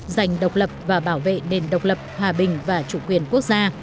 giành độc lập và bảo vệ nền độc lập hòa bình và chủ quyền quốc gia